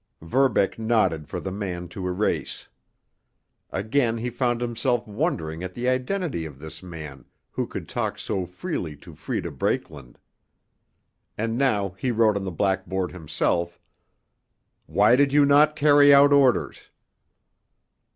Verbeck nodded for the man to erase. Again he found himself wondering at the identity of this man who could talk so freely to Freda Brakeland. And now he wrote on the blackboard himself: "Why did you not carry out orders?"